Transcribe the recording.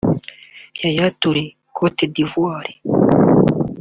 Yaya Toure (Cote d’Ivoire)